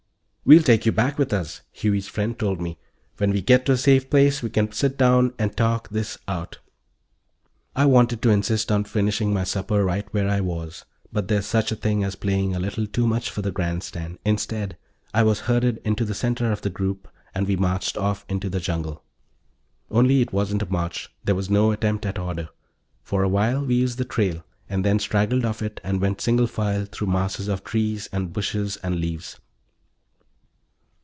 "We'll take you back with us," Huey's friend told me. "When we get to a safe place we can sit down and talk this out." I wanted to insist on finishing my supper right where I was, but there's such a thing as playing a little too much for the grandstand. Instead, I was herded into the center of the group, and we marched off into the jungle. Only it wasn't a march; there was no attempt at order. For a while we used the trail, and then straggled off it and went single file through masses of trees and bushes and leaves.